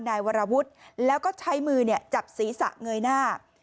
นายวรวุฒิแล้วก็ใช้มือจับศีรษะเงยหน้า